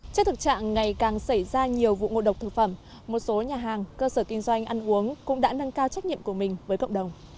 trước thực trạng ngày càng xảy ra nhiều vụ ngộ độc thực phẩm một số nhà hàng cơ sở kinh doanh ăn uống cũng đã nâng cao trách nhiệm của mình với cộng đồng